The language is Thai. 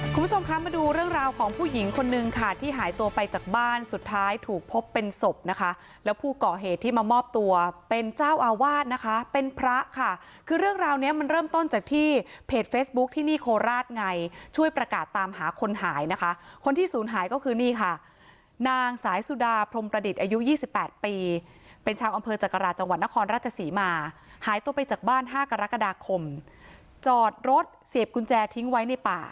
คุณผู้ชมค่ะมาดูเรื่องราวของผู้หญิงคนหนึ่งค่ะที่หายตัวไปจากบ้านสุดท้ายถูกพบเป็นศพนะคะแล้วผู้เกาะเหตุที่มามอบตัวเป็นเจ้าอาวาสนะคะเป็นพระค่ะคือเรื่องราวเนี้ยมันเริ่มต้นจากที่เพจเฟซบุ๊กที่นี่โคราชไงช่วยประกาศตามหาคนหายนะคะคนที่ศูนย์หายก็คือนี่ค่ะนางสายสุดาพรมประดิษฐ์อายุยี่สิบแปดป